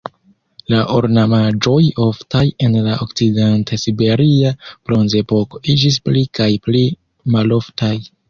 La ornamaĵoj oftaj en la Okcident-Siberia Bronzepoko iĝis pli kaj pli maloftaj.